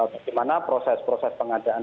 bagaimana proses proses pengadaan